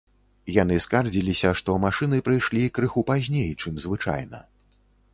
Яны скардзіліся, што машыны прыйшлі крыху пазней, чым звычайна.